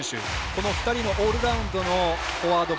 この２人のオールラウンドのフォワード